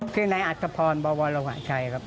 ชื่อในอาจภพรบวรวัชชัยครับ